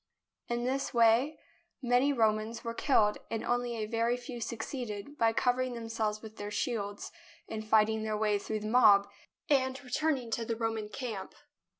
In this way many Romans were killed, and only a very few succeeded, by covering themselves with their shields, in fighting their way through the mob and returning to the Roman camp.